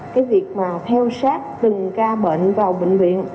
cái việc mà theo sát từng ca bệnh vào bệnh viện